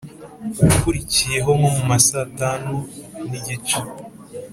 ukurikiyeho nkomumasaha y’isatanu nigice